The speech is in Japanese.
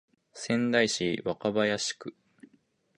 仙台市若林区